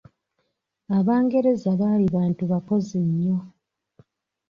Abangereza baali bantu bakozi nnyo.